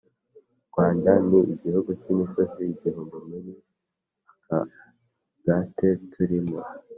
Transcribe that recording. Rwanda ni igihugu cy’imisozi igihumbi muri aka gate turimo